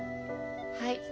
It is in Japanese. はい。